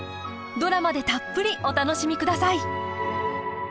ドラマでたっぷりお楽しみください！